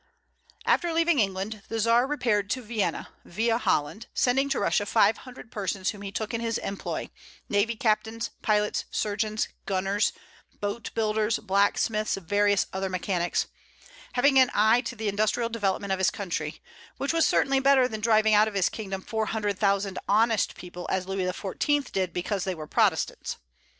After leaving England, the Czar repaired to Vienna, via Holland, sending to Russia five hundred persons whom he took in his employ, navy captains, pilots, surgeons, gunners, boat builders, blacksmiths, and various other mechanics, having an eye to the industrial development of his country; which was certainly better than driving out of his kingdom four hundred thousand honest people, as Louis XIV. did because they were Protestants.